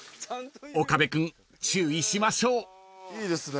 ［岡部君注意しましょう］いいですね。